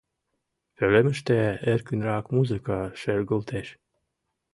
Пӧлемыште эркынрак музыка шергылтеш.